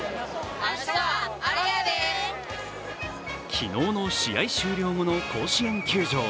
昨日の試合終了後の甲子園球場。